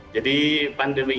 jadi pandemi ini